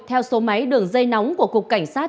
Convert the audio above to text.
theo số máy đường dây nóng của cục cảnh sát